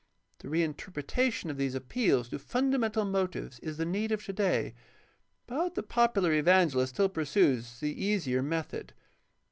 ' The reinterpretation of these appeals to fundamental motives is the need of today, but the popular evangelist still pursues the easier method.